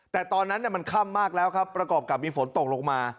แต่ตอนนั้นมันค่ำมากแล้วครับประกอบกับมีฝนตกลงมา